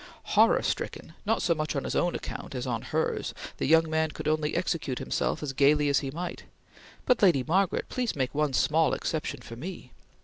Horror stricken, not so much on his own account as on hers, the young man could only execute himself as gaily as he might: "But Lady Margaret, please make one small exception for me!"